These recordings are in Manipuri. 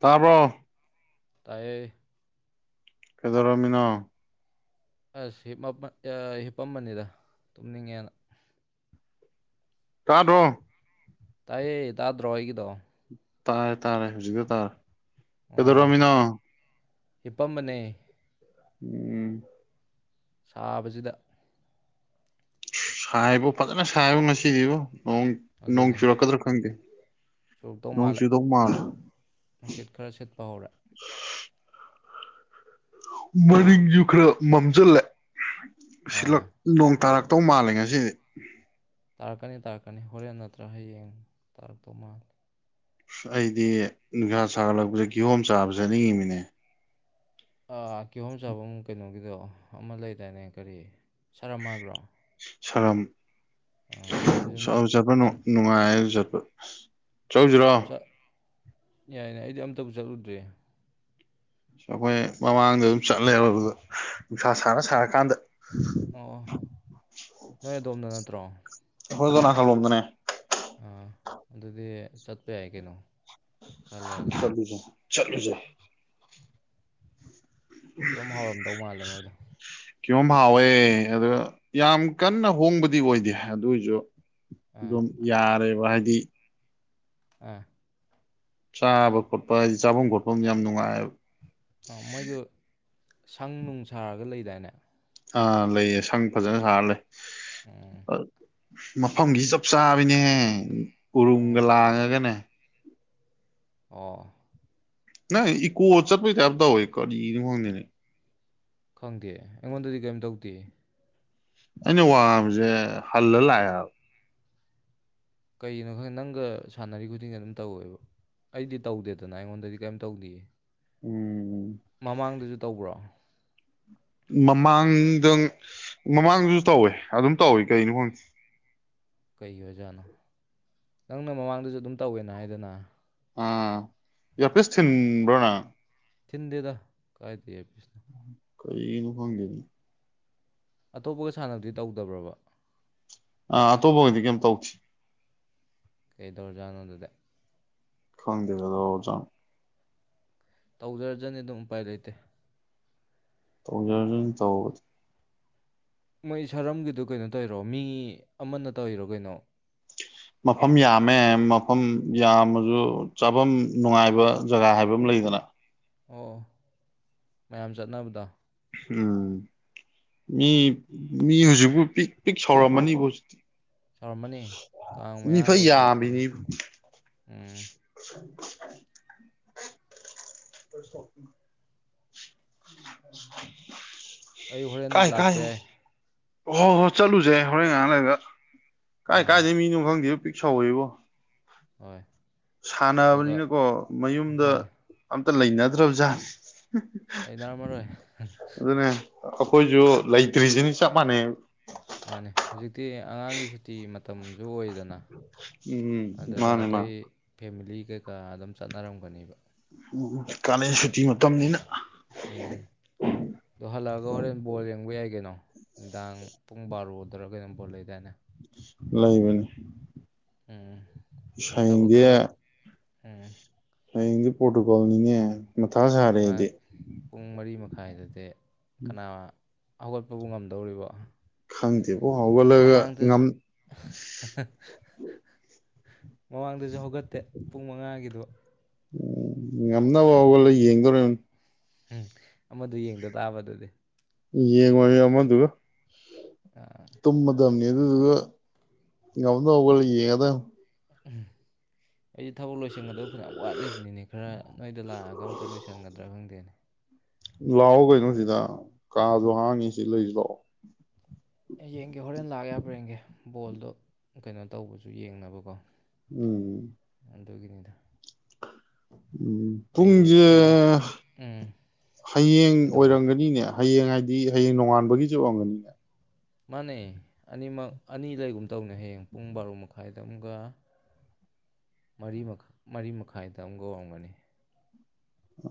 ꯇꯥꯔꯕꯣ ꯇꯥꯏꯦ ꯀꯦꯗꯣꯔꯃꯤꯅꯥ ꯑꯁ ꯍꯤꯞ ꯍꯤꯞꯄꯝꯕꯅꯤꯗ ꯇꯨꯝꯅꯤꯡꯉꯦꯅ ꯇꯥꯗꯣ ꯇꯥꯏꯌꯦ ꯇꯥꯗ꯭ꯔꯣ ꯑꯣꯏꯒꯤꯗꯣ ꯇꯥꯔꯦ ꯇꯥꯔꯦ ꯍꯧꯖꯤꯛꯇ ꯇꯥꯔꯦ ꯀꯩꯗꯧꯔꯃꯤꯅꯣ ꯏꯄꯝꯕꯅꯦ ꯎꯝ ꯁꯥꯕꯁꯤꯗ ꯁꯥꯏꯕ ꯐꯖꯅ ꯁꯥꯏꯕ ꯉꯁꯤꯗꯤꯕ ꯅꯣꯡ ꯆꯨꯔꯛꯀꯗ꯭ꯔꯥ ꯈꯪꯗꯦ ꯆꯨꯔꯣꯛ ꯇꯧ ꯅꯣꯡ ꯃꯥꯜꯂ ꯆꯨꯗꯧ ꯃꯥꯜꯂꯦ ꯅꯨꯡꯁꯤꯠ ꯈꯔ ꯁꯤꯠꯄ ꯍꯧꯔꯦ ꯃꯔꯤꯁꯨ ꯈꯔ ꯃꯝꯁꯤꯜꯂꯦ ꯁꯤꯂꯛ ꯑꯥ ꯅꯣꯡ ꯇꯥꯔꯛ ꯃꯇꯧ ꯃꯥꯜꯂꯦ ꯉꯁꯤꯗꯤ ꯇꯥꯔꯛꯀꯅꯤ ꯇꯥꯔꯛꯀꯅꯤ ꯍꯣꯔꯦꯟ ꯅꯠꯇ꯭ꯔꯥ ꯍꯌꯦꯡ ꯇꯥꯔꯛꯇꯧ ꯃꯥꯜꯜꯂꯤꯦ ꯑꯩꯗꯤ ꯅꯨꯡꯁꯥ ꯁꯥꯒꯠꯂꯛꯄꯁꯦ ꯀꯤꯍꯣꯝ ꯆꯥꯕ ꯆꯠꯅꯤꯡꯉꯤꯃꯤꯅꯦ ꯑ ꯀꯤꯍꯣꯝ ꯆꯥꯐꯝ ꯀꯩꯅꯣꯒꯤꯗꯣ ꯑꯃ ꯂꯩꯗꯥꯅꯦ ꯀꯔꯤ ꯁꯥꯔꯝ ꯍꯥꯏꯕ꯭ꯔꯣ ꯑꯥ ꯑꯗꯨꯁꯨ ꯃꯤ ꯁꯝꯖꯕ ꯌꯥꯝ ꯅꯨꯡꯉꯥꯏꯖꯕ ꯆꯥꯎꯧꯁꯤꯔꯣ ꯌꯥꯏ ꯌꯥꯏ ꯑꯩꯗꯤ ꯑꯝꯇꯕꯨ ꯆꯠꯂꯨꯗ꯭ꯔꯦ ꯑꯩꯈꯣꯏ ꯃꯃꯥꯡꯗ ꯑꯗꯨꯝ ꯆꯠꯂꯦꯕ ꯑꯗꯨꯒ ꯅꯨꯡꯁꯥ ꯁꯥꯅ ꯁꯥꯔꯀꯥꯟꯗ ꯑꯣ ꯅꯣꯏ ꯑꯗꯣꯝꯗ ꯅꯠꯇ꯭ꯔꯣ ꯑꯩꯈꯣꯏꯅ ꯊ ꯂꯝꯗꯅꯦ ꯑꯥ ꯑꯗꯨꯗꯤ ꯆꯠꯄ ꯌꯥꯏ ꯀꯩꯅꯣ ꯈꯔ ꯂꯩꯔꯒ ꯆꯠꯂꯖ ꯆꯠꯂꯨꯖꯦ ꯀꯝ ꯍꯧꯔꯝꯗꯧ ꯃꯥꯜꯂꯦ ꯃꯣꯏꯗꯣ ꯀꯤꯌꯣꯝ ꯍꯥꯎꯋꯦ ꯑꯗꯣ ꯌꯥꯝ ꯀꯟꯅ ꯍꯣꯡꯕꯗꯤ ꯑꯣꯏꯗꯦ ꯑꯗꯨꯏꯁꯨ ꯑꯥ ꯑꯗꯨꯝ ꯌꯥꯔꯦꯕ ꯍꯥꯏꯗꯤ ꯑ ꯆꯥꯕ ꯈꯣꯠꯄ ꯍꯥꯏꯗꯤ ꯆꯥꯐꯝ ꯈꯣꯠꯐꯝ ꯌꯥꯝ ꯅꯨꯡꯉꯥꯏꯕ ꯑꯥ ꯃꯣꯏꯗꯨ ꯁꯪ ꯅꯨꯡ ꯁꯥꯔꯒ ꯂꯩꯗꯥꯏꯅꯦ ꯑꯥ ꯂꯩꯌꯦ ꯁꯪ ꯐꯖꯅ ꯁꯥꯔ ꯂꯩ ꯎꯝ ꯃꯐꯝꯁꯤ ꯆꯞ ꯆꯥꯕꯤꯅꯦꯍꯦ ꯎꯔꯨꯝꯒ ꯑꯣ ꯂꯥꯡꯉꯒꯅꯦ ꯑꯣ ꯅ ꯏꯨ ꯑꯣ ꯆꯔꯄꯩ ꯆꯞꯗ ꯑꯣꯏ ꯀ ꯐꯅꯦ ꯈꯪꯗꯦ ꯑꯩꯉꯣꯟꯗꯗꯤ ꯀꯩꯝ ꯇꯧꯗꯦ ꯑꯩꯅ ꯋꯥꯝꯁꯦ ꯍꯜꯂ ꯂꯌꯥ ꯀꯩꯅꯣ ꯈꯪꯦ ꯅꯪꯒ ꯁꯥꯟꯅꯔꯤ ꯈꯨꯗꯤꯡꯒ ꯑꯗꯨꯝ ꯇꯧꯋꯦꯕ ꯑꯩꯗꯤ ꯇꯧꯗꯦꯗꯅ ꯑꯩꯉꯣꯟꯗꯗꯤ ꯀꯩꯝ ꯇꯧꯗꯌꯦ ꯎꯝ ꯃꯃꯥꯡꯗꯁꯨ ꯇꯧꯕ꯭ꯔꯣ ꯃꯃꯥꯡꯗꯪ ꯃꯃꯥꯡꯗꯁꯨ ꯇꯧꯋꯦ ꯑꯗꯨꯝ ꯇꯧꯋꯤ ꯀꯩꯅꯣ ꯈꯪꯗꯦ ꯀꯩꯒꯤ ꯑꯣꯏꯖꯥꯠꯅꯣ ꯅꯪꯅ ꯃꯃꯥꯡꯗꯁꯨ ꯑꯗꯨꯝ ꯇꯧꯋꯦꯅ ꯍꯥꯏꯗꯅ ꯑ ꯌꯥ ꯄꯁ ꯊꯤꯟꯕ꯭ꯔꯣ ꯅꯪ ꯊꯤꯟꯗꯦꯗ ꯀꯥꯏꯗꯦ ꯀꯩꯅ ꯐꯪꯗꯅꯤ ꯑꯇꯣꯞꯄꯒ ꯁꯥꯟꯅꯕꯗꯤ ꯇꯧꯗꯕ꯭ꯔꯕ ꯑꯇꯣꯕꯨꯉꯗꯤ ꯀꯝ ꯇꯧꯁꯤ ꯀꯩꯗꯧꯔꯖꯅꯣꯗꯨꯗꯤ ꯊꯗꯤꯦꯀꯗꯖ ꯇꯧꯖꯔꯖꯅꯤ ꯑꯗꯨꯝ ꯎꯄꯥꯏ ꯂꯩꯇꯦ ꯇꯧꯖꯔ ꯇꯧꯕꯗꯤ ꯃꯣꯏ ꯁꯔꯝꯒꯤꯗꯨ ꯀꯩꯅꯣ ꯇꯧꯔꯣ ꯃꯤ ꯑꯃꯅ ꯇꯧꯏꯔꯣ ꯀꯩꯅꯣ ꯃꯐꯝ ꯌꯥꯝꯃꯦ ꯃꯐꯝ ꯌꯥꯝꯃꯁꯨ ꯆꯥꯐꯝ ꯅꯨꯡꯉꯥꯏꯕ ꯖꯒꯥ ꯍꯥꯏꯕ ꯑꯃ ꯂꯩ ꯗꯅ ꯑꯣ ꯃꯌꯥꯝ ꯆꯠꯅꯕꯗꯣ ꯎꯝ ꯃꯤ ꯃꯤ ꯍꯧꯖꯤꯛꯄꯨ ꯄꯤꯛ ꯄꯤꯛ ꯁꯥꯎꯔꯝꯃꯅꯤꯕꯨ ꯍꯧꯖꯤꯛꯇꯤ ꯁꯧꯔꯝꯃꯅꯤ ꯀꯥꯡ ꯃꯤ ꯃꯌꯥꯒ ꯐꯩ ꯑꯣꯏꯁꯜꯂꯛꯄꯒ ꯌꯥꯝꯃꯤꯅꯤꯕꯨ ꯎꯝ [inaudible] [inaudible] ꯑꯩ ꯍꯣꯔꯦꯟ ꯂꯥꯛꯄ ꯌꯥꯏ ꯑꯣ ꯍꯣ ꯍꯣꯏ ꯆꯠꯂꯨꯁꯦ ꯍꯣꯔꯦꯟ ꯉꯍꯥꯡꯂꯒ ꯀꯥꯏ ꯑꯥ ꯀꯥꯏꯗꯩ ꯃꯤꯅꯣ ꯈꯪꯗꯦꯕꯣ ꯄꯤꯛ ꯁꯧꯏꯕꯣ ꯍꯣꯏ ꯑꯗꯨꯒ ꯁꯥꯟꯅꯕꯅꯤꯅꯀꯣ ꯃꯌꯨꯝꯗ ꯍꯣꯏ ꯑꯝꯇ ꯂꯩꯅꯗ꯭ꯔꯕ ꯖꯥꯠꯅꯤ ꯂꯩꯅꯥꯔꯝꯃꯔꯣꯏ ꯑꯗꯨꯅꯦ ꯑꯩꯈꯣꯏꯁꯨ ꯂꯩꯇ꯭ꯔꯤꯁꯤꯅꯤ ꯆꯞ ꯃꯥꯟꯅꯩ ꯃꯥꯅꯦ ꯍꯧꯖꯤꯛꯇꯤ ꯑꯉꯥꯡꯒꯤ ꯁꯨꯇꯤ ꯃꯇꯝ ꯨ ꯖꯨ ꯑꯣꯏꯗꯅ ꯎꯝ ꯑꯗꯨꯗ ꯃꯥꯅꯦ ꯃꯥꯅꯦ ꯑꯇꯩ ꯐꯦꯃꯤꯂꯤ ꯀꯩꯀꯥ ꯑꯗꯨꯝ ꯆꯠꯅꯔꯝꯒꯅꯦꯕ ꯎꯝ ꯀꯥꯂꯦꯟ ꯁꯨꯇꯤ ꯃꯇꯝꯅꯤꯅ ꯎꯝ ꯑꯗꯣ ꯍꯜꯂꯛꯑꯒ ꯍꯣꯔꯦꯟ ꯕꯣꯜ ꯌꯦꯡꯕ ꯌꯥꯏ ꯀꯩꯅꯣ ꯅꯨꯡꯗꯥꯡ ꯄꯨꯡ ꯕꯥꯔꯣꯗꯔ ꯀꯩꯅꯣ ꯕꯣꯜ ꯂꯩꯗꯥꯏꯅꯦ ꯂꯩꯕꯅꯤ ꯎꯝ ꯑꯁ ꯑꯩꯁꯨ ꯊꯕꯛ ꯍꯌꯦꯡꯗꯤ ꯈꯔ ꯎꯝ ꯍꯌꯦꯡꯗꯤ ꯄꯣꯔꯇꯨꯒꯜ ꯅꯤꯅꯦ ꯃꯥꯅꯤ ꯄꯨꯡ ꯃꯔꯤ ꯃꯈꯥꯏꯗꯗꯤ ꯀꯅꯥ ꯍꯧꯒꯠꯄꯕꯨ ꯉꯝꯗꯧꯔꯤꯕꯣ ꯈꯪꯗꯦꯕꯣ ꯍꯧꯒꯠꯂꯒ ꯉꯝ ꯃꯃꯥꯡꯗꯁꯨ ꯍꯧꯒꯠꯇꯦ ꯄꯨꯡ ꯃꯉꯥꯒꯤꯗꯣ ꯎꯝ ꯉꯝꯅꯕ ꯍꯧꯒꯇꯂꯒ ꯌꯦꯡꯗꯣꯔꯤꯝꯅꯤ ꯎꯝ ꯑꯃꯗꯨ ꯌꯦꯡꯗ ꯇꯥꯕ ꯑꯗꯨꯗꯤ ꯌꯦꯡꯉꯣꯏ ꯑꯃꯗꯨꯗ ꯑꯥ ꯇꯨꯝꯃꯗꯝꯅꯤ ꯑꯗꯨꯗꯨꯒ ꯉꯝꯅ ꯍꯧꯒꯠꯂ ꯌꯦꯉꯗꯧꯅꯤ ꯑꯩꯁꯦ ꯊꯕꯛ ꯂꯣꯏꯁꯤꯟꯒꯗꯕ ꯐꯅꯌꯥꯝ ꯋꯥꯠꯂꯤꯕꯅꯤꯅꯦ ꯈꯔ ꯅꯣꯏꯗ ꯂꯥꯛꯑꯒ ꯑꯝꯇ ꯂꯣꯏꯁꯤꯟꯒꯗ꯭ꯔꯥ ꯈꯪꯗꯦꯅꯦ ꯂꯥꯛꯑꯣ ꯀꯩꯅꯣꯁꯤꯗ ꯀꯥꯁꯨ ꯍꯥꯡꯉꯤ ꯁꯤ ꯂꯩꯁꯤ ꯂꯥꯛꯑꯣ ꯌꯦꯡꯒꯦ ꯍꯣꯔꯦꯟ ꯂꯥꯛ ꯌꯥꯕ꯭ꯔꯡꯒꯦ ꯕꯣꯜꯗꯣ ꯀꯩꯅꯣ ꯇꯧꯕꯁꯨ ꯌꯦꯡꯅꯕꯀꯣ ꯎꯝꯝ ꯑꯗꯨꯒꯤꯅꯤꯗ ꯎꯝ ꯑꯩ ꯄꯨꯡꯁꯦ ꯍꯣꯔꯦꯟ ꯎꯝ ꯍꯌꯦꯡ ꯀꯩꯗꯧꯕ ꯑꯣꯏꯔꯝꯒꯅꯤꯅꯦ ꯍꯌꯦꯡ ꯍꯥꯏꯗꯤ ꯍꯌꯦꯡ ꯅꯣꯡꯉꯥꯟꯕꯒꯤꯁꯨ ꯑꯣꯏꯔꯝꯒꯅꯤꯅꯦ ꯃꯥꯅꯦ ꯑꯅꯤꯃꯛ ꯑꯅꯤ ꯂꯩꯒꯨꯝ ꯇꯧꯅꯦ ꯍꯌꯦꯡ ꯄꯨꯡ ꯕꯥꯔꯣ ꯃꯈꯥꯏꯗ ꯑꯃꯒ ꯃꯔꯤ ꯃꯈꯥ ꯃꯔꯤ ꯃꯈꯥꯏꯗ ꯑꯃꯨꯛꯒ ꯑꯣꯏꯔꯝꯒꯅꯤ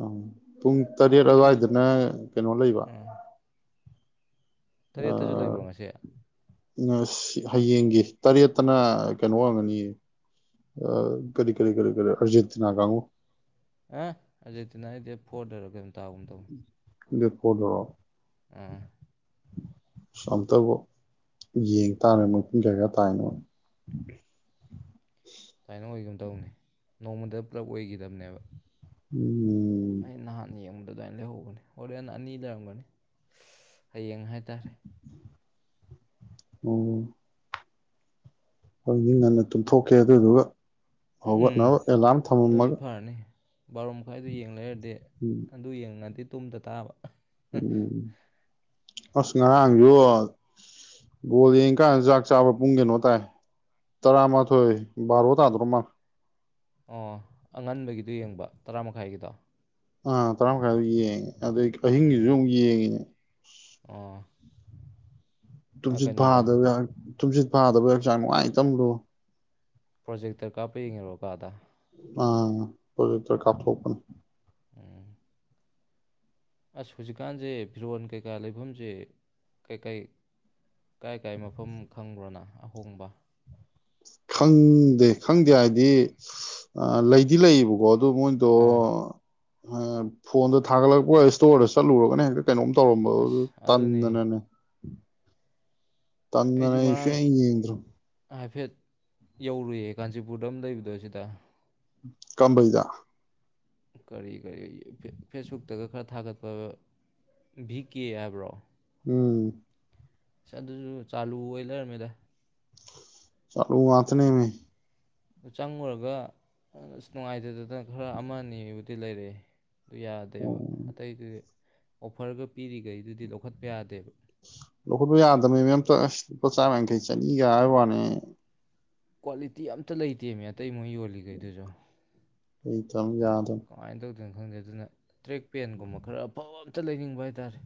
ꯎꯝ ꯄꯨꯡ ꯇꯔꯦꯠ ꯀꯩꯅꯣꯒꯤꯗꯨꯕꯨꯗꯤ ꯑꯗꯨꯋꯥꯏꯗꯅ ꯀꯩꯅꯣ ꯂꯩꯕ ꯑꯥ ꯇꯔꯦꯠꯇꯁꯨ ꯂꯩꯕ꯭ꯔꯣ ꯉꯁꯤ ꯑ ꯍꯌꯦꯡꯒꯤ ꯇꯔꯦꯠꯇꯅ ꯀꯩꯅꯣ ꯍꯪꯒꯅꯤꯌꯦ ꯑ ꯀꯔꯤ ꯀꯔꯤ ꯀꯔꯤ ꯑꯔꯖꯦꯟꯇꯤꯅꯥ ꯀꯥꯡꯉꯨ ꯑ ꯑꯥꯔꯖꯦꯟꯇꯤꯅꯥꯒꯤꯗꯤ ꯐꯣꯔꯗꯔ ꯀꯩꯅꯣ ꯇꯥꯒꯨꯝ ꯇꯧꯅꯤ ꯗꯦꯠ ꯐꯣꯔꯗꯣ ꯑꯁ ꯑꯝꯇꯕꯨ ꯌꯦꯡ ꯇꯥꯔꯦ ꯃꯣꯏ ꯄꯨꯡ ꯀꯌꯥ ꯀꯌꯥ ꯇꯥꯏꯅꯣ ꯁꯨꯃꯥꯏꯅ ꯑꯣꯏꯒꯨꯝ ꯇꯧꯅꯦ ꯅꯣꯡꯃꯗ ꯄꯨꯂꯞ ꯑꯣꯏꯈꯤꯗꯕꯅꯦꯕ ꯎꯝ ꯑꯩ ꯅꯍꯥꯟ ꯌꯦꯡ ꯑꯗꯨꯃꯥꯏꯅ ꯂꯩꯍꯧꯕꯅꯤ ꯍꯣꯔꯦꯟ ꯑꯅꯤ ꯂꯩꯔꯝꯒꯅꯤ ꯍꯌꯦꯡ ꯍꯥꯏꯇꯥꯔꯦ ꯎꯝ ꯑꯩꯗꯤ ꯉꯟꯅ ꯇꯨꯝꯊꯣꯛꯀꯦ ꯑꯗꯨꯏꯗꯨꯒ ꯎꯝ ꯍꯧꯒꯠꯅꯕ ꯑꯦꯂꯥꯔꯝ ꯑꯗꯨꯝ ꯊꯝꯃꯝꯃꯒꯦ ꯐꯔꯅꯤ ꯕꯥꯔꯣ ꯃꯈꯥꯏꯗꯨ ꯌꯦꯡ ꯂꯩꯔꯗꯤ ꯎꯝ ꯑꯗꯨ ꯌꯦꯡꯉꯗꯤ ꯇꯨꯝꯗ ꯇꯥꯕ ꯎꯝ ꯑꯁ ꯉꯔꯥꯡ ꯁꯨ ꯕꯣꯜ ꯌꯦꯡ ꯀꯥꯟ ꯆꯥꯛ ꯆꯥꯕ ꯄꯨꯡ ꯀꯩꯅꯣ ꯇꯥꯏ ꯇꯔꯥꯃꯊꯣꯏ ꯕ꯭ꯔꯣ ꯊꯥꯗ꯭ꯣꯔꯝꯃꯅꯤ ꯑꯣ ꯑꯉꯟꯕꯒꯤꯗꯤ ꯌꯦꯡꯕ ꯇꯔꯥ ꯃꯈꯥꯏꯒꯤꯗꯣ ꯑꯥ ꯇꯔꯥ ꯃꯈꯥꯏꯗ ꯌꯦꯡꯉꯦ ꯑꯗꯩ ꯑꯍꯤꯡꯒꯤꯁꯨ ꯎꯝ ꯑꯃꯨꯛ ꯌꯦꯡꯉꯤꯅꯦ ꯑꯣ ꯇꯨꯝꯁꯤꯠ ꯀꯩꯅꯣꯗ ꯐꯥꯗꯕ ꯇꯨꯝꯁꯤꯠ ꯐꯥꯗꯕ ꯍꯛꯆꯥꯡ ꯅꯨꯡꯉꯥꯏ ꯇꯝ ꯂꯣꯏ ꯄ꯭ꯔꯣꯖꯦꯛꯇꯔ ꯀꯥꯞꯄ ꯌꯦꯡꯉꯤꯔꯣ ꯀꯥꯗ ꯑꯥ ꯄ ꯏꯇꯔ ꯀꯥꯊꯣꯛꯄ ꯎꯝ ꯑꯁ ꯍꯧꯖꯤꯛꯀꯥꯟꯁꯦ ꯐꯤꯔꯣꯟ ꯀꯩꯀꯥ ꯂꯩꯐꯝꯁꯦ ꯀꯩꯀꯩ ꯀꯥꯏ ꯀꯥꯏ ꯃꯐꯝ ꯈꯪꯕ꯭ꯔꯣꯅ ꯑꯍꯣꯡꯕ ꯈꯪꯗꯦ ꯈꯪꯗꯦ ꯍꯥꯏꯗꯤ ꯂꯩꯗꯤ ꯂꯩꯌꯦꯕꯀꯣ ꯑꯗꯨ ꯃꯣꯏꯗꯣ ꯑꯥ ꯐꯣꯟꯗ ꯊꯥꯒꯠꯂꯛꯄ ꯏꯁꯇꯣꯔꯗ ꯆꯠꯂꯨꯔꯒꯅ ꯍꯦꯛꯇ ꯀꯩꯅꯣꯝ ꯇꯧꯔꯝꯕ ꯑꯁ ꯑꯗꯨꯅꯦ ꯇꯟꯗꯅꯅꯦ ꯇꯟ ꯑꯩꯁꯨ ꯅꯩꯅꯩꯁꯦ ꯉꯔꯥꯡ ꯏꯗ꯭ꯔꯝ ꯍꯥꯏꯐꯦꯠ ꯌꯧꯔꯨꯏꯌꯦ ꯀꯥꯟꯆꯤꯄꯨꯔꯗ ꯑꯃ ꯂꯩꯕꯗꯣ ꯁꯤꯗ ꯀꯝꯕꯩꯗ ꯀꯔꯤ ꯀꯔꯤ ꯐꯦꯁꯕꯨꯛꯇꯒ ꯈꯔ ꯊꯥꯒꯠꯄ ꯚꯤ ꯀ ꯍꯥꯏꯕ꯭ꯔꯣ ꯎꯝ ꯑꯁ ꯑꯗꯨꯁꯨ ꯆꯥꯂꯨ ꯑꯣꯏꯅ ꯂꯩꯔꯝꯃꯤꯗ ꯆꯂꯨ ꯋꯥꯇꯅꯦ ꯃ ꯑꯗꯨ ꯆꯪꯉꯨꯔꯒ ꯑꯁ ꯅꯨꯡꯉꯥꯏꯇꯗꯗꯅ ꯈꯔ ꯑꯃ ꯑꯅꯤꯕꯨꯗꯤ ꯂꯩꯔꯛꯑꯦ ꯑꯗꯨ ꯑꯣ, ꯌꯥꯗꯦꯕ ꯑꯇꯩꯗꯨꯗꯤ ꯑꯣꯐꯔꯒ ꯄꯤꯔꯤꯈꯩꯗꯨꯗꯤ ꯂꯧꯈꯠꯄ ꯌꯥꯗꯦꯕ ꯂꯧꯈꯠꯄ ꯌꯥꯗꯕꯅꯤ ꯃ ꯑꯝꯇ ꯑꯁ ꯂꯨꯄꯥ ꯆꯥꯝꯃ ꯌꯥꯡꯈꯩ ꯆꯅꯤꯒ ꯋꯥꯅꯤ ꯀ꯭ꯋꯥꯂꯤꯇꯤ ꯑꯝꯇ ꯂꯩꯇꯦ ꯃ ꯑꯇꯩ ꯃꯣꯏ ꯌꯣꯜꯂꯤꯈꯩꯗꯨꯁꯨ ꯑꯩꯇꯝ ꯌꯥꯗ ꯑꯗꯨꯅ ꯈꯪꯗꯦ ꯑꯗꯨꯅ ꯇ꯭ꯔꯦꯛ ꯄꯦꯟꯒꯨꯝꯕ ꯈꯔ ꯑꯐꯕ ꯑꯝꯇ ꯂꯩꯅꯤꯡꯕ ꯍꯥꯏꯇꯥꯔꯦ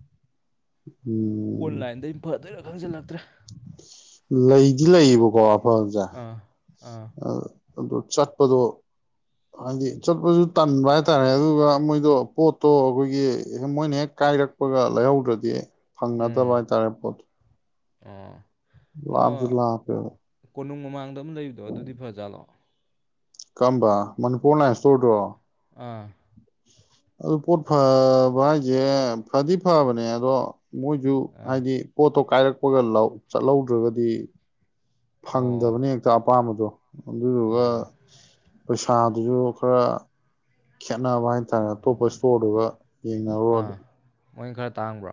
ꯎꯝ ꯑꯣꯟꯂꯥꯏꯟꯗ ꯐꯗꯅ ꯈꯪꯖꯤꯜꯂꯛꯇ꯭ꯔꯦ ꯂꯩꯗꯤ ꯂꯩꯌꯦꯕꯀꯣ ꯑꯐꯁꯦ ꯑ ꯑꯥ ꯑꯥ ꯑꯗꯨꯗꯨ ꯆꯠꯄꯗꯨ ꯍꯥꯏꯗꯤ ꯆꯠꯄꯁꯨ ꯇꯟꯕ ꯍꯥꯏꯇꯥꯔꯦ ꯑꯗꯨꯒ ꯃꯣꯏꯗꯣ ꯄꯣꯠꯇꯣ ꯑꯩꯈꯣꯏꯒꯤ ꯃꯣꯏꯅ ꯍꯦꯛ ꯀꯥꯏꯔꯛꯄꯒ ꯂꯩꯍꯧꯗ꯭ꯔꯗꯤ ꯐꯪꯅꯗꯕ ꯍꯥꯏꯇꯥꯔꯦ ꯄꯣꯠꯇꯨ ꯑ ꯋꯥꯞꯖꯜꯂꯥ ꯍꯥ ꯄꯦ ꯀꯣꯅꯨꯡ ꯃꯃꯥꯡꯗ ꯑꯃꯝ ꯂꯩꯕꯗꯣ ꯑꯗꯨꯗꯤ ꯐꯖꯥꯠꯂꯣ ꯀꯝꯕ ꯃꯅꯤꯄꯨꯔ ꯂꯥꯏꯟ ꯏꯁꯇꯣꯔꯗꯣ ꯑꯥ ꯑꯗꯨ ꯄꯣꯠ ꯐꯕ ꯍꯥꯏꯁꯦ ꯐꯗꯤ ꯐꯕꯅꯦ ꯑꯗꯣ ꯃꯣꯏꯁꯨ ꯑꯥ ꯍꯥꯏꯗꯤ ꯄꯣꯠꯇꯣ ꯀꯥꯏꯔꯛꯄꯒ ꯆꯠꯍꯧꯗ꯭ꯔꯒꯗꯤ ꯑꯣ ꯐꯪꯗꯕꯅꯤ ꯍꯦꯛꯇ ꯑꯄꯥꯝꯕꯗꯣ ꯑꯗꯨꯗꯨꯒ ꯑꯥ ꯄꯩꯁꯥꯗꯨꯁꯨ ꯈꯔ ꯈꯦꯠꯅꯕ ꯍꯥꯏꯇꯥꯔꯦ ꯑꯇꯣꯞꯄ ꯏꯁꯇꯣꯔꯗꯨꯒ ꯌꯦꯅꯔ ꯑꯗꯨ ꯃꯣꯏ ꯈꯔ ꯇꯥꯡꯕ꯭ꯔꯥ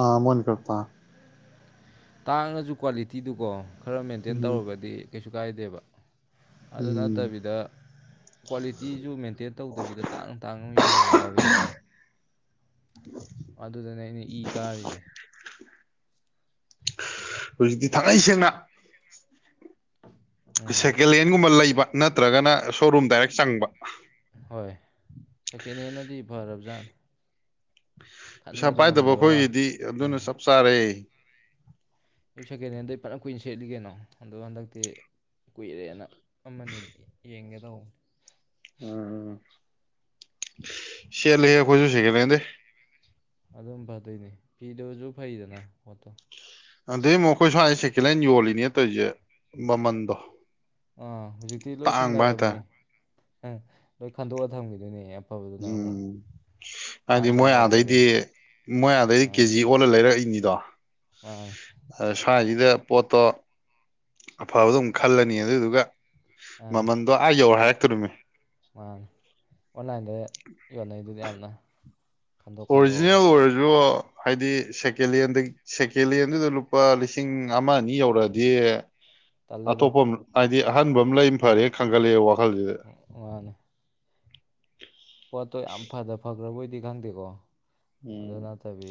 ꯑꯥ ꯃꯟ ꯀꯇꯥ ꯇꯥꯡꯅꯁꯨ ꯀ꯭ꯋꯥꯂꯤꯇꯤꯗꯨꯀꯣ ꯈꯔ ꯃꯦꯟꯇꯦꯟ ꯎꯝ ꯇꯧꯒꯗꯤ ꯀꯩꯁꯨ ꯀꯥꯏꯗꯦꯕ ꯑꯗꯨ ꯎꯝ ꯅꯠꯇꯕꯤꯗ ꯀ꯭ꯋꯥꯂꯤꯇꯤꯁꯨ ꯃꯦꯟꯇꯦꯟ ꯇꯧꯗꯕꯤꯗ ꯇꯥꯡꯅ ꯇꯥꯡꯅ ꯌꯣꯟꯁꯤꯟꯕ ꯌꯥꯎꯋꯤꯗꯅ ꯑꯗꯨꯗꯅꯦ ꯑꯩꯅ ꯏ ꯀꯥꯔꯤꯁꯦ ꯍꯧꯖꯤꯛꯇꯤ ꯊꯥꯡꯏ ꯁꯦꯡꯅ ꯎꯝ ꯁꯦꯀꯦꯟ ꯍꯦꯟꯒꯨꯝꯕ ꯂꯩꯕ ꯅꯠꯇ꯭ꯔꯒꯅ ꯁꯣꯔꯨꯝ ꯗꯥꯏꯔꯦꯛ ꯆꯪꯕ ꯍꯣꯏ ꯁꯦꯀꯦꯟ ꯍꯦꯟꯅꯗꯤ ꯐꯔꯕꯖꯥꯠꯅꯤ ꯄꯩꯁꯥ ꯈꯟꯕꯗꯣ ꯄꯥꯏꯗꯕ ꯉꯝꯗꯕꯩ ꯋꯥꯅꯤ ꯑꯩꯈꯣꯏꯒꯤꯗꯤ ꯑꯗꯨꯅ ꯎꯝ ꯆꯞ ꯆꯥꯔꯦ ꯑꯩ ꯁꯦꯀꯦꯟ ꯍꯦꯟꯗ ꯑꯩ ꯄꯅ ꯀꯨꯏꯅ ꯁꯦꯠꯂꯤ ꯀꯩꯅꯣ ꯑꯗꯣ ꯍꯟꯗꯛꯇꯤ ꯀꯨꯏꯔꯦꯅ ꯑꯃꯅꯤ ꯌꯦꯡꯒꯦꯗꯧꯕꯅꯤ ꯎꯝ ꯁꯦꯂ ꯍ ꯐꯁꯨꯁꯒꯦ ꯀꯦ ꯑꯗꯨꯝ ꯐꯗꯣꯏꯅꯦ ꯐꯤꯗꯕꯁꯨ ꯐꯩꯗꯅ ꯄꯣꯠꯇꯣ ꯑꯗꯨꯗꯩ ꯑꯃꯨꯛ ꯑꯩꯈꯣꯏ ꯁ꯭ꯋꯥꯏ ꯁꯦꯀꯦꯟ ꯍꯦꯟ ꯌꯣꯜꯂꯤꯅꯦ ꯇꯧꯔꯤꯁꯦ ꯃꯃꯟꯗꯣ ꯑꯥ ꯍꯧꯖꯤꯛꯇꯤ ꯂꯣꯏ ꯇꯥꯡꯕ ꯁꯤꯡꯅꯔꯕꯅꯦ ꯍꯥꯏꯇꯥꯔꯦ ꯑꯪ ꯂꯣꯏ ꯈꯟꯗꯣꯛꯑ ꯊꯝꯈꯤꯗꯣꯏꯅꯦ ꯑꯐꯕꯗꯨꯅ ꯑꯃꯨꯛ ꯎꯝ ꯍꯥꯏꯗꯤ ꯇꯥꯡ ꯇꯥꯡ ꯃꯣꯏ ꯑꯥꯗꯩꯗꯤ ꯌꯣꯜꯂꯛꯀꯗꯣꯏꯅꯤ ꯃꯣꯏꯌꯥ ꯑꯗꯩꯗꯤ ꯑꯥ ꯀꯦꯖꯤ ꯑꯣꯜꯂ ꯂꯩꯔꯛꯏꯅꯤꯗꯣ ꯃꯥꯅꯤ ꯁ꯭ꯋꯥꯏꯁꯤꯗ ꯄꯣꯠꯇꯣ ꯑꯐꯕꯗ ꯑꯗꯨꯝ ꯈꯜꯂꯅꯤ ꯑꯗꯨꯗꯨꯒ ꯃꯃꯟꯗꯣ ꯑ ꯌꯧꯔ ꯍꯥꯏꯔꯛꯇꯗꯨꯃꯤ ꯃꯥꯅꯦ ꯑꯣꯟꯂꯥꯏꯟꯗ ꯌꯣꯟꯅꯩꯗꯨꯗꯤ ꯌꯥꯝꯅ ꯈꯟꯗꯣꯛ ꯈꯟꯗꯣꯛꯑꯒ ꯑꯣꯔꯤꯖꯤꯅꯦꯜ ꯑꯣꯏꯔꯁꯨꯣ ꯍꯥꯏꯗꯤ ꯁꯦꯀꯦꯟ ꯍꯦꯟ ꯁꯦꯀꯦꯟ ꯍꯦꯟꯗꯨꯗ ꯂꯨꯄꯥ ꯂꯤꯁꯤꯡ ꯑꯃ ꯑꯅꯤ ꯌꯧꯔꯛꯑꯗꯤ ꯇꯜꯂꯦꯗ ꯑꯇꯣꯞꯄ ꯍꯥꯏꯗꯤ ꯑꯍꯟꯕ ꯑꯃ ꯂꯩ ꯐꯔꯦ ꯈꯪꯒꯠꯂꯛꯑꯦ ꯋꯥꯈꯜꯁꯤꯗ ꯃꯥꯅꯤ ꯄꯣꯠꯇꯣ ꯌꯥꯝ ꯐꯗ ꯐꯈ꯭ꯔꯕꯣꯏꯗꯤ ꯈꯪꯗꯦꯀꯣ ꯑꯗꯨ ꯎꯝ ꯅꯠꯇꯕꯤ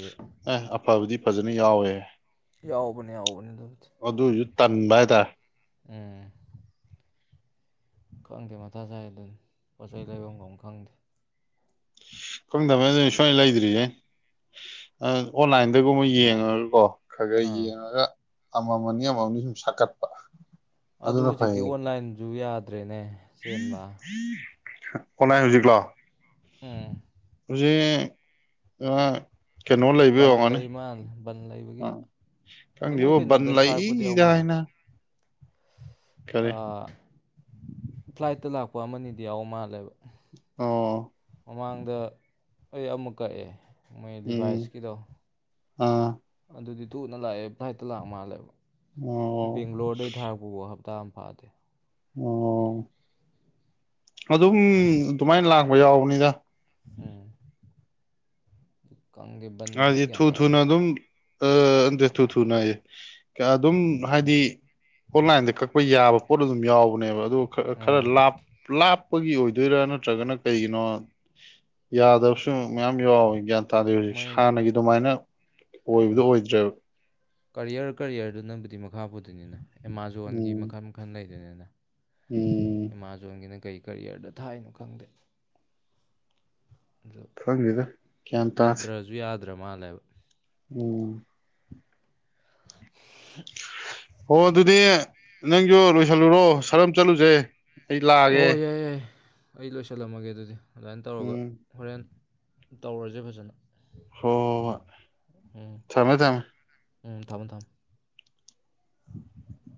ꯑꯦ ꯑꯐꯕꯗꯤ ꯐꯖꯅ ꯌꯥꯎꯋꯦ ꯌꯥꯎꯕꯅꯦ ꯌꯥꯎꯕꯅꯦ ꯑꯗꯨꯗꯤ ꯇꯟꯕꯗ ꯎꯝ ꯈꯪꯗꯦ ꯃꯊꯥ ꯁꯥꯏ ꯑꯗꯨꯅ ꯄꯣꯠ ꯆꯩꯩ ꯂꯩꯐꯝꯒ ꯈꯪꯗꯦ ꯈꯪꯗꯕ ꯑꯗꯨ ꯁ ꯂꯩꯗ꯭ꯔꯤꯌꯦꯦ ꯑꯣꯟꯂꯥꯏꯟꯗꯒꯨꯝꯕ ꯌꯦꯡꯉꯒꯀꯣ ꯈ ꯈꯩ ꯑꯥ ꯌꯦꯡꯉꯒ ꯑꯃꯃ ꯑꯃꯃꯝꯅꯤ ꯁꯨꯝ ꯁꯥꯀꯠꯄ ꯑꯗꯨ ꯍꯧꯖꯤꯛꯇꯤ ꯑꯣꯟꯂꯥꯏꯟꯁꯨ ꯌꯥꯗꯦ ꯑꯣꯟꯅꯥꯏ ꯍꯧꯖꯤꯀꯂꯥ ꯎꯝ ꯍꯧꯖꯤ ꯂꯩꯃ ꯂꯩꯕꯒꯦ ꯀꯪꯗꯦꯕꯣ ꯕꯟ ꯂꯩꯢꯗ ꯍꯥꯏ ꯅꯥꯕ ꯑꯥ ꯐ꯭ꯂꯥꯏꯠꯇ ꯂꯥꯛꯄ ꯑꯃꯅꯤꯗꯤ ꯌꯥꯎ ꯃꯥꯜꯂꯦꯕ ꯑꯣ ꯃꯃꯥꯡꯗ ꯑꯩ ꯑꯃ ꯀꯛꯑꯦ ꯃꯣꯏ ꯎꯝ ꯂꯤꯚꯥꯏꯁꯀꯤꯗꯣ ꯑꯥ ꯑꯗꯨꯗꯤ ꯇꯨꯅ ꯂꯥꯛꯑꯦ ꯐ꯭ꯂꯥꯏꯠꯇ ꯂꯥꯛ ꯃꯥꯜꯂꯦꯕ ꯑꯣ ꯕꯦꯡꯒ꯭ꯂꯣꯔꯗꯩ ꯊꯥꯔꯛꯄꯕꯨ ꯍꯞꯇꯥ ꯐꯗꯦ ꯑꯣ ꯑꯗꯨꯝ ꯑꯗꯨꯃꯥꯏꯅ ꯂꯥꯛꯄ ꯌꯥꯎꯕꯅꯤꯗ ꯎꯝ ꯈꯪꯗꯦ ꯕꯟꯁꯦ ꯒ꯭ꯌꯥꯟ ꯇꯥꯗꯦ ꯑꯥ ꯑꯟꯗꯦ ꯊꯨ ꯊꯨꯅꯌꯦ ꯑꯗꯨꯝ ꯍꯥꯏꯗꯤ ꯑꯣꯟꯂꯥꯏꯟꯗ ꯀꯛꯄ ꯌꯥꯕ ꯄꯣꯠ ꯑꯗꯨꯝ ꯌꯥꯎꯕꯅꯦꯕ ꯑꯗꯨ ꯈꯔ ꯎꯝ ꯂꯥꯞ ꯂꯥꯞ ꯄꯒꯤ ꯑꯣꯏꯗꯣꯏꯔꯥ ꯅꯠꯇ꯭ꯔꯒꯅ ꯀꯩꯒꯤꯅꯣ ꯌꯥꯗꯕꯁꯨ ꯃꯌꯥꯝ ꯌꯥꯎꯋꯦ ꯒ꯭ꯌꯥꯟ ꯇꯥꯗꯦ ꯍꯧꯖꯤꯛ ꯃꯣꯏ ꯍꯥꯟꯅꯒꯤ ꯑꯗꯨꯃꯥꯏꯅ ꯑꯣꯏꯕꯗꯣ ꯑꯣꯏꯗ꯭ꯔꯦꯕ ꯀꯔꯤꯌꯔ ꯀꯔꯤꯌꯔꯗꯨꯅꯕꯨꯗꯤ ꯃ ꯃꯈꯥ ꯄꯨꯗꯣꯏꯅꯤꯅ ꯑꯦꯃꯥꯖꯣꯟꯒꯤ ꯎꯝ ꯃꯈꯜ ꯃꯈꯜ ꯂꯩꯗꯅꯤꯅ ꯎꯝ ꯑꯦꯃꯥꯖꯣꯟꯒꯤꯅ ꯀꯩ ꯀꯦꯔꯤꯌꯔꯗ ꯊꯥꯏꯅꯣ ꯈꯪꯗꯦ ꯑꯗꯨ ꯈꯪꯗꯦꯗ ꯒ꯭ꯌꯥꯟ ꯇꯥꯗꯦ ꯃꯤꯟꯇ꯭ꯔꯁꯨ ꯌꯥꯗ꯭ꯔ ꯃꯥꯜꯂꯦꯕ ꯎꯝ [unintelligible] ꯑꯣ ꯑꯗꯨꯗꯤ ꯅꯪꯁꯨ ꯂꯣꯏꯁꯜꯂꯨꯔꯣ ꯁꯔꯝ ꯆꯠꯂꯨꯁꯦ ꯑꯩ ꯂꯥꯛꯑꯒꯦ ꯑꯣ ꯌꯥꯏ ꯌꯥꯏ ꯑꯩ ꯂꯣꯏꯁꯤꯜꯂꯝꯃꯒꯦ ꯑꯗꯨꯗꯤ ꯑꯗꯨꯃꯥꯏꯅ ꯇꯧꯔꯒ ꯎꯝ ꯍꯣꯔꯦꯟ ꯇꯧꯔꯁꯦ ꯐꯖꯅ ꯍꯣ ꯍꯣꯢ ꯎꯝ ꯊꯃꯦ ꯊꯃꯦ ꯎꯝ ꯊꯝꯃꯣ ꯊꯝꯃꯣ [unintelligible]